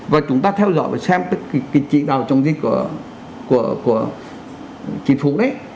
và chúng ta theo dõi và xem tất cả trị đào chống dịch của chính phủ đấy